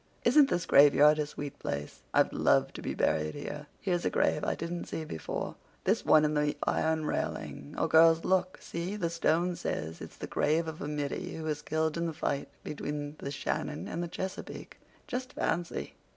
Isn't this graveyard a sweet place? I'd love to be buried here. Here's a grave I didn't see before—this one in the iron railing—oh, girls, look, see—the stone says it's the grave of a middy who was killed in the fight between the Shannon and the Chesapeake. Just fancy!"